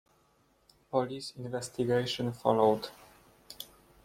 Police investigation followed.